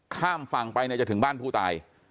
ข้ามฝั่งไปเนี่ยจะถึงบ้านผู้ตาย